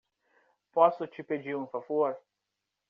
Posso te pedir um favor?